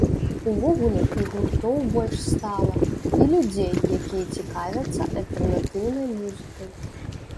Увогуле і гуртоў больш стала, і людзей, якія цікавяцца альтэрнатыўнай музыкай.